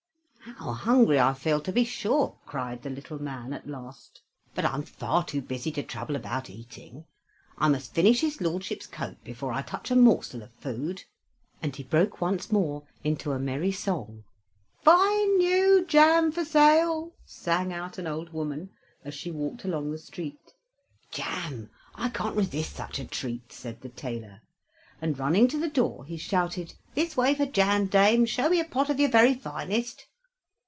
"How hungry I feel, to be sure!" cried the little man, at last; "but I'm far too busy to trouble about eating. I must finish his lordship's coat before I touch a morsel of food," and he broke once more into a merry song. "Fine new jam for sale," sang out an old woman, as she walked along the street. "Jam! I can't resist such a treat," said the tailor; and, running to the door, he shouted, "This way for jam, dame; show me a pot of your very finest."